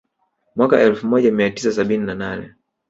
Mwaka elfu moja mia tisa sabini na nane